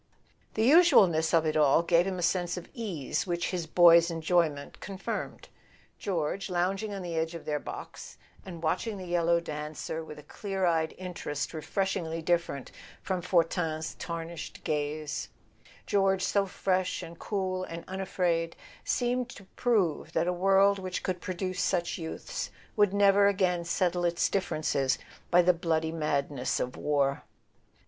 The usualness of it all gave him a sense of ease which his boy's enjoyment confirmed. George, lounging on the edge of their box, and watching the yellow dancer with a clear eyed interest refreshingly different from Fortin's tarnished gaze, George so fresh and cool and unafraid, seemed to prove that a world which could produce such youths would never again settle its dif¬ ferences by the bloody madness of war.